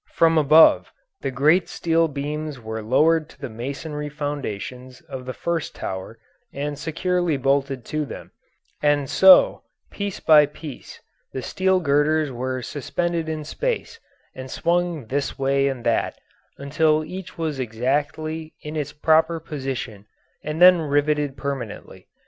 From above the great steel beams were lowered to the masonry foundations of the first tower and securely bolted to them, and so, piece by piece, the steel girders were suspended in space and swung this way and that until each was exactly in its proper position and then riveted permanently.